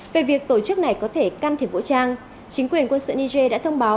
về việc tổ chức này có thể can thiệp vũ trang chính quyền quân sự niger đã thông báo